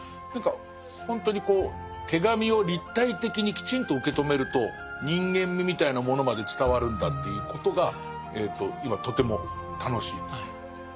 何かほんとにこう手紙を立体的にきちんと受け止めると人間味みたいなものまで伝わるんだということが今とても楽しいです。